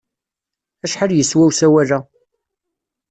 Acḥal yeswa usawal-a?